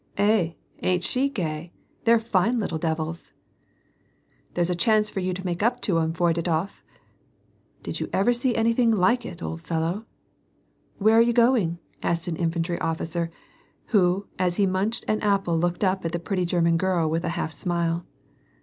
" Eh ! ain't she gay ! They're line little devils !"" There's a chance for you to make up to ' em, Fyedotof !" "Did you ever see anything like it, old fellow ?" "Where are you going ?" asked an infantry ofticer, who as he mimched an apple looked up at the pretty German girl with a half smile.